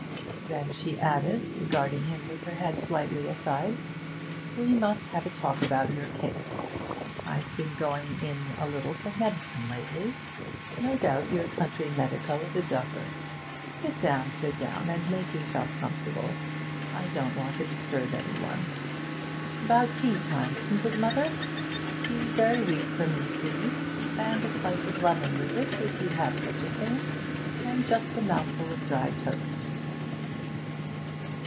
Then she added, regarding him with her head slightly aside, 'We must have a talk about your case. I've been going in a little for medicine lately. No doubt your country medico is a duffer. Sit down, sit down, and make yourself comfortable. I don't want to disturb any one. About teatime, isn't it, mother? Tea very weak for me, please, and a slice of lemon with it, if you have such a thing, and just a mouthful of dry toast.'